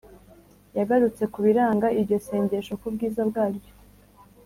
yagarutse ku biranga iryo sengesho, ku bwiza bwaryo